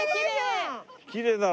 きれいだろ？